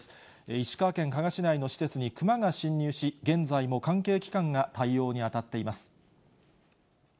石川県加賀市内の施設にクマが侵入し、現在も関係機関が対応に当たっています。